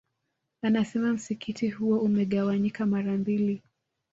Anasema msikiti huo umegawanyika mara mbili